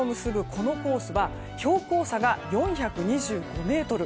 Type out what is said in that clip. このコースは標高差が４２５ｍ。